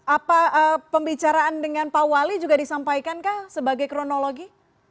apa pembicaraan dengan pak wali juga disampaikan kah sebagai kronologi